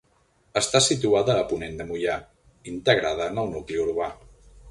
Està situada a ponent de Moià, integrada en el nucli urbà.